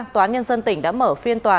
tòa án nhân dân tỉnh đã mở phiên tòa